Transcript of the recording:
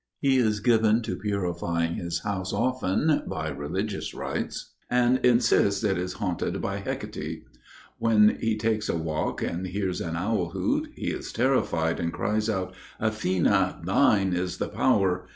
He is given to purifying his house often by religious rites and insists it is haunted by Hecate. When he takes a walk and hears an owl hoot, he is terrified and cries out: "Athena! thine is the power!"